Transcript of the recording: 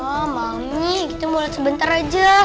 oh ami kita mau liat sebentar aja